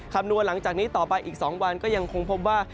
คำนวณหลังจากนี้ต่อไปอีก๒วันก็ยังคงพบว่า